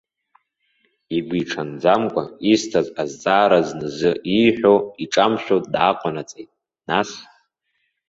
Игәиҽанӡамкәа исҭаз азҵаара зназы ииҳәо иҿамшәо дааҟанаҵеит, нас.